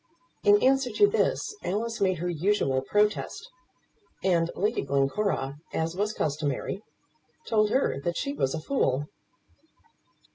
In answer to this Alice made her usual protest, and Lady Glencora, as was customary, told her that she was a fool.